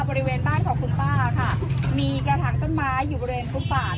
บริเวณบ้านของคุณป้าค่ะมีกระถางต้นไม้อยู่บริเวณฟุตบาท